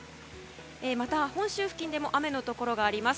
また、本州付近でも雨のところがあります。